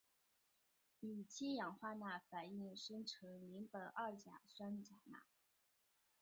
与氢氧化钠反应生成邻苯二甲酸钾钠。